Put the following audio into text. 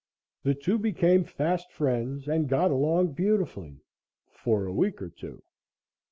The two became fast friends and got along beautifully for a week or two.